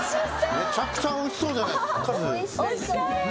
めちゃくちゃおいしそうじゃないっすか。